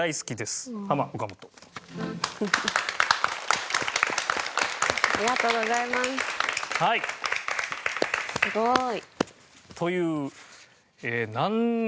すごい。という。